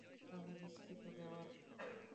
আমি নিষ্কৃতি দেবার কে?